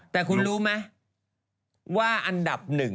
แต่คุณรู้ไหมว่าอันดับ๑